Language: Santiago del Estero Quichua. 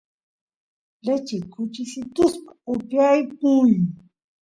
lechi kuchisituspaq upiyapuy